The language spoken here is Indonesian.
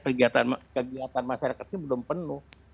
karena kegiatan masyarakatnya belum penuh